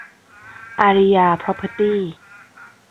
อารียา พรอพเพอร์ตี้